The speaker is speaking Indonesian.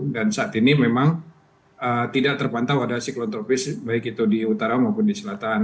dan saat ini memang tidak terpantau ada siklon tropis baik itu di utara maupun di selatan